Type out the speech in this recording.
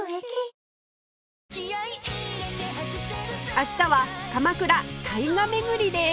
明日は鎌倉大河巡りです